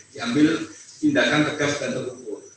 diambil tindakan kegap dan terbukur